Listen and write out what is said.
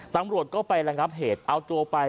ตำรวจก็ไประงับเหตุเอาตัวไป